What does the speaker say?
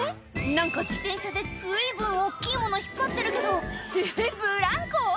何か自転車で随分大っきいもの引っ張ってるけどえっブランコ？